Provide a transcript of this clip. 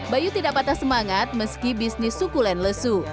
bayu tidak patah semangat meski bisnis suku len lesu